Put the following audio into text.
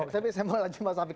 tapi saya mau lanjut mas taufik